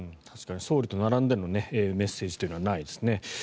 確かに総理と並んでのメッセージというのはないですね。